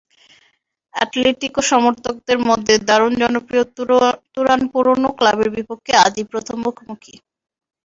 Atletico সমর্থকদের মধ্যে দারুণ জনপ্রিয় তুরান পুরোনো ক্লাবের বিপক্ষে আজই প্রথম মুখোমুখি।